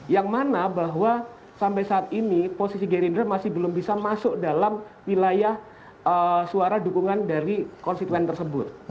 yang mana bahwa sampai saat ini posisi gerindra masih belum bisa masuk dalam wilayah suara dukungan dari konstituen tersebut